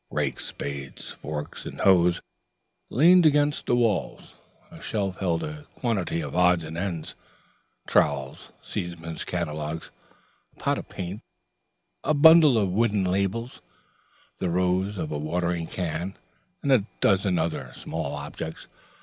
Rakes, spades, forks and hoes leant against the walls; a shelf held a quantity of odds and ends: trowels, seedsmen's catalogues, a pot of paint, a bundle of wooden labels, the rose of a watering can, and a dozen other small objects.